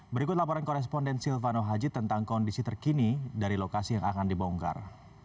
berikut laporan koresponden silvano haji tentang kondisi terkini dari lokasi yang akan dibongkar